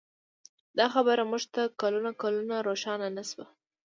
دا خبره موږ ته کلونه کلونه روښانه نه شوه.